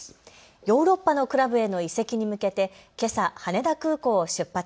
ヨーロッパのクラブへの移籍に向けて、けさ、羽田空港を出発。